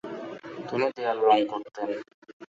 তিনি দেয়াল রঙ করতেন।